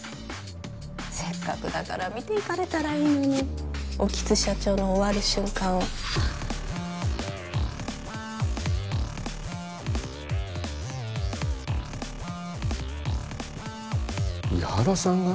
せっかくだから見ていかれたらいいのに興津社長の終わる瞬間を伊原さんが？